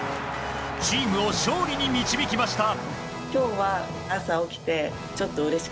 チームを勝利に導きました。